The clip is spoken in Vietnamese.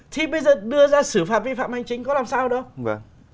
thì bây giờ đưa ra xử phạt vi phạm hành chính có làm sao đâu